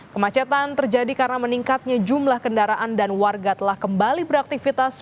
kemacetan terjadi karena meningkatnya jumlah kendaraan dan warga telah kembali beraktivitas